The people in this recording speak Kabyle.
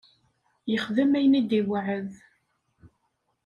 Yexdem ayen i d-iweɛɛed.